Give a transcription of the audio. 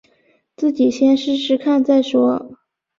自己先试试看再说